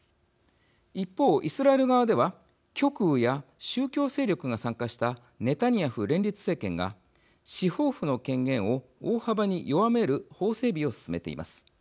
一方、イスラエル側では極右や宗教勢力が参加したネタニヤフ連立政権が司法府の権限を大幅に弱める法整備を進めています。